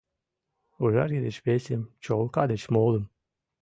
Ужарге деч весым, чолка деч молым